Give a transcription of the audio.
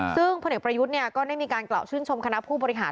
ซึ่งพลเอกประยุทธ์ก็ได้มีการกล่าวชื่นชมคณะผู้บริหาร